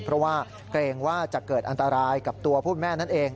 เพราะว่าเกรงว่าจะเกิดอันตรายกับตัวผู้เป็นแม่นั่นเอง